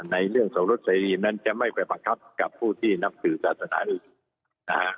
ในเรื่องสมรสเสรีนั้นจะไม่ไปบังคับกับผู้ที่นับสื่อศาสนาอื่น